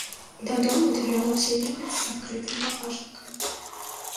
Дадому давялося ехаць з адкрытым багажнікам.